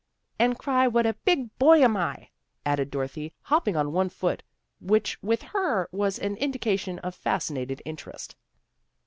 "And cry what a big boy'm I," added Dorothy, hopping on one foot, which with her was an indication of fascinated interest.